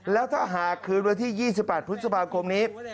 แล้วถ้าหากคืนวันที่๒๘พฤษภาคมนี้